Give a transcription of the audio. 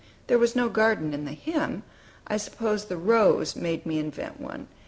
There was no garden in the hymn; I suppose the "rose" made me invent one.